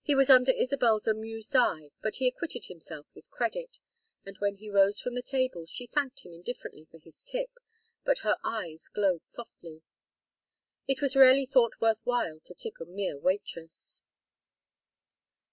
He was under Isabel's amused eye, but he acquitted himself with credit; and when he rose from the table she thanked him indifferently for his tip, but her eyes glowed softly. It was rarely thought worth while to tip a mere waitress.